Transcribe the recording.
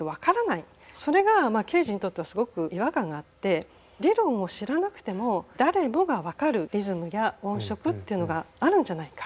それがまあケージにとってはすごく違和感があって理論を知らなくても誰もが分かるリズムや音色っていうのがあるんじゃないか。